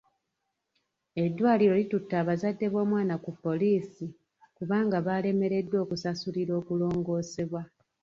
Eddwaliro litutte bazadde b'omwana ku poliisi kubanga baalemereddwa okusasulira okulongoosebwa.